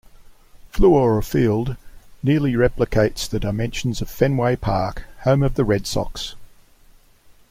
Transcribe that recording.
Fluor Field nearly replicates the dimensions of Fenway Park, home of the Red Sox.